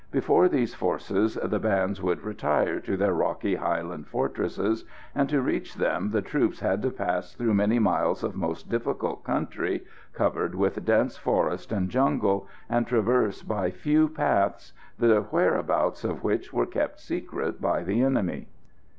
Before these forces the bands would retire to their rocky highland fortresses, and to reach them the troops had to pass through many miles of most difficult country, covered with dense forest and jungle, and traversed by few paths, the whereabouts of which were kept secret by the enemy.